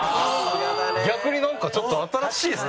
逆になんかちょっと新しい。